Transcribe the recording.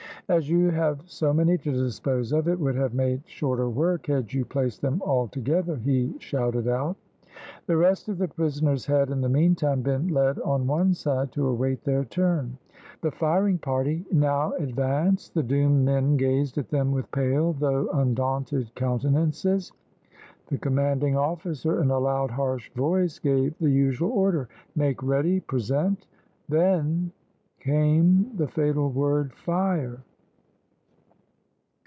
"As you have so many to dispose of, it would have made shorter work had you placed them all together," he shouted out. The rest of the prisoners had, in the meantime, been led on one side to await their turn. The firing party now advanced the doomed men gazed at them with pale, though undaunted countenances. The commanding officer, in a loud, harsh voice, gave the usual order, "Make ready," "Present," then came the fatal word "Fire!"